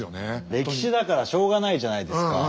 歴史だからしょうがないじゃないですか。